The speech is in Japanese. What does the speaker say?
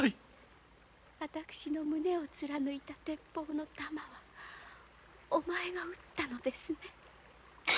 私の胸を貫いた鉄砲の弾はお前が撃ったのですね？